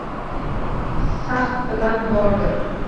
Shahd bilan bordi.